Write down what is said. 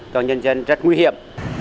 cho nhân dân rất nguy hiểm